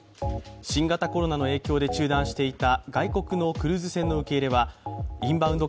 新型コロナの影響で中断していた外国のクルーズ船の受け入れはインバウンド